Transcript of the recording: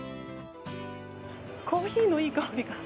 コーヒーのいい香りが。